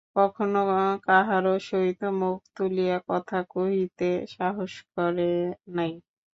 কখনো কাহারো সহিত মুখ তুলিয়া কথা কহিতে সাহস করে নাই।